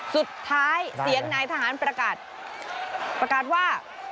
สุดท้ายเสียงนายทหารประกาศประกาศว่า